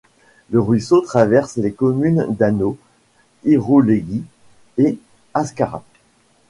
Le ruisseau traverse les communes d’Anhaux, Irouléguy et Ascarat.